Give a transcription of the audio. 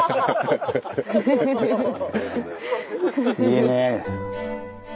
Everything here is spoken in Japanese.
いいね。